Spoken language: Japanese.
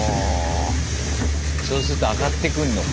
そうすると上がってくんのか。